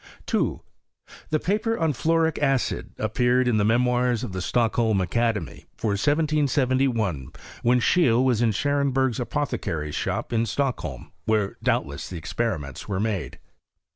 2. The paper on fluoric add appeared in the Memoirs ofthe Stockholm Academy, for 1771, when Scheete was in Scharenbei^'s apothecary's shop in Stockholm, where, doubtless, the experiments were made.